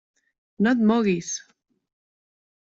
No et moguis!